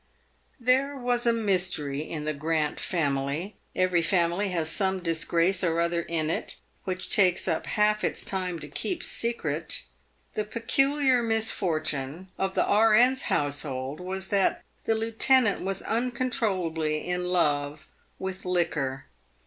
There was a mystery in the Grant family. Every family has some disgrace or other in it, which takes up half its time to keep secret. The peculiar misfortune of the E.N.'s household was that the lieute nant was uncontrollably in love with liquor.